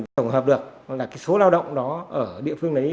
để tổng hợp được số lao động đó ở địa phương đấy